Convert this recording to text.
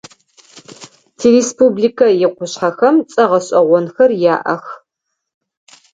Тиреспубликэ икъушъхьэхэм цӏэ гъэшӏэгъонхэр яӏэх.